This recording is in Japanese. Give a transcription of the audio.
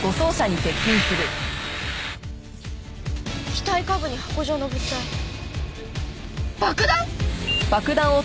機体下部に箱状の物体爆弾！？